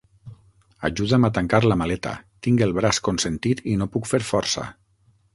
Ajuda'm a tancar la maleta: tinc el braç consentit i no puc fer força.